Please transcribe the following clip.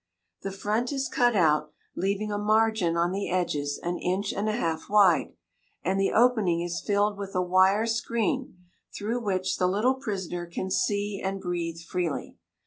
The front is cut out, leaving a margin on the edges an inch and a half wide, and the opening is filled with a wire screen, through which the little prisoner can see and breathe freely.